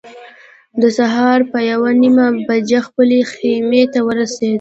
د سهار په یوه نیمه بجه خپلې خیمې ته ورسېدو.